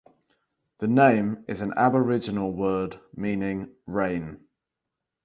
The name is an Aboriginal word meaning rain.